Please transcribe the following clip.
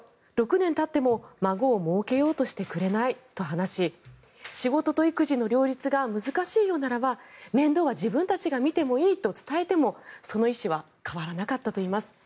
６年たっても孫をもうけようとしてくれないと話し仕事と育児の両立が難しいようならば面倒は自分たちが見てもいいと伝えてもその意思は変わらなかったといいます。